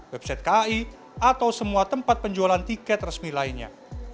website kai atau semua tempat penjualan tiket resmi lainnya